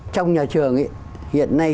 trong nhà trường ý hiện nay